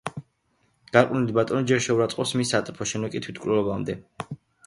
გარყვნილი ბატონი ჯერ შეურაცხყოფს მის სატრფოს, შემდეგ კი თვითმკვლელობამდე მიჰყავს იგი.